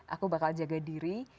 aku bakal jaga diri